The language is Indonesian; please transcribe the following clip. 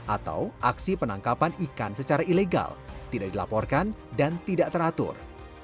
atau aksi penangkapan ikan secara ilegal tidak dilaporkan dan tidak teratur